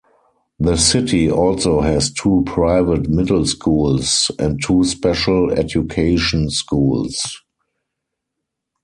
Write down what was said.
The city also has two private middle schools and two special education schools.